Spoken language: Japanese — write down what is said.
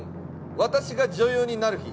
「『私が女優になる日＿』」